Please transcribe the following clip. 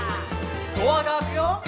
「ドアが開くよ」